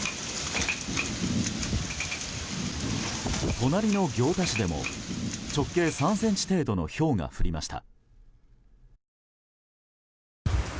隣の行田市でも直径３ｃｍ程度のひょうが降りました。